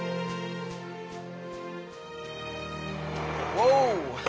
おう！